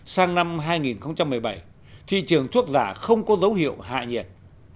sang năm hai nghìn một mươi bảy thị trường thuốc giả không có dấu hiệu hạ nhiệt